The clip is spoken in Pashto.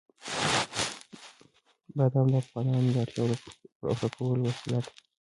بادام د افغانانو د اړتیاوو د پوره کولو وسیله ده.